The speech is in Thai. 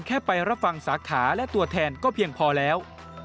แค่ไปรับฟังสาขาและตัวแทนก็เพียงพอแล้ว